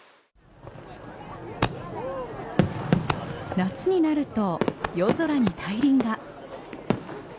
夏になると夜空に大輪が。